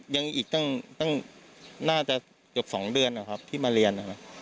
ยังอีกตั้งน่าจะเกือบ๒เดือนนะครับที่มาเรียนนะครับ